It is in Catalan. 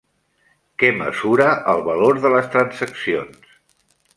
Què mesura el valor de les transaccions?